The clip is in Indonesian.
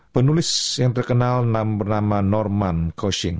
penulis yang terkenal bernama norman koshing